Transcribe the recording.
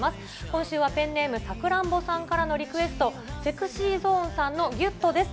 今週はペンネーム、さくらんぼさんからのリクエスト、ＳｅｘｙＺｏｎｅさんのぎゅっとです。